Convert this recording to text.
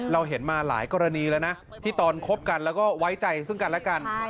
เราเห็นมาหลายกรณีแล้วนะที่ตอนคบกันแล้วก็ไว้ใจซึ่งกันและกัน